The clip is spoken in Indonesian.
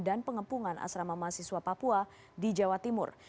dan pengepungan asrama mahasiswa papua di jawa timur